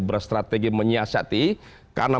berstrategi menyiasati karena